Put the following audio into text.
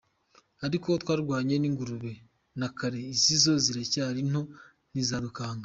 Ariko twarwanye n’ingurube na kare izi zo ziracyari nto ntizadukanga,”